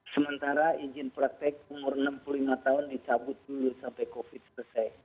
sementara izin praktek umur enam puluh lima tahun dicabut dulu sampai covid selesai